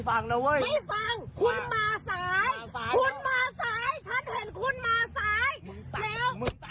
ฉันเห็นคุณมาซ้าย